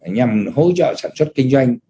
nhằm hỗ trợ sản xuất kinh doanh